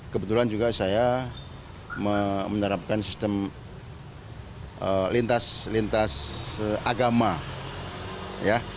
kebetulan juga saya menerapkan sistem lintas lintas agama ya